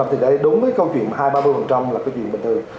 thì đấy đúng với câu chuyện hai ba mươi là cái gì bình thường